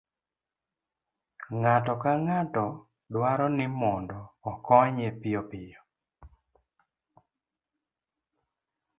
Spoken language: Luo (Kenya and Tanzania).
ng'ato ka ng'ato dwaro ni mondo okonye piyopiyo